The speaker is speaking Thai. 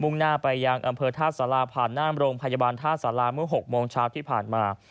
่งหน้าไปยังอำเภอท่าสาราผ่านหน้าโรงพยาบาลท่าสาราเมื่อ๖โมงเช้าที่ผ่านมา